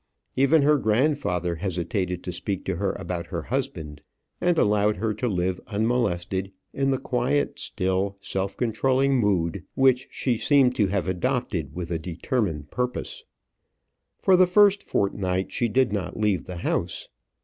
Even her grandfather hesitated to speak to her about her husband, and allowed her to live unmolested in the quiet, still, self controlling mood which she seemed to have adopted with a determined purpose. For the first fortnight she did not leave the house.